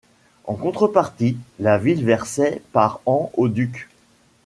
En contrepartie, la ville versait par an au duc.